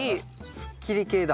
すっきり系だ。